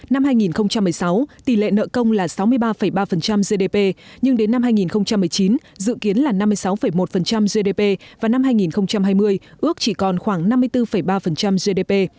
năm hai nghìn một mươi sáu tỷ lệ nợ công là sáu mươi ba ba gdp nhưng đến năm hai nghìn một mươi chín dự kiến là năm mươi sáu một gdp và năm hai nghìn hai mươi ước chỉ còn khoảng năm mươi bốn ba gdp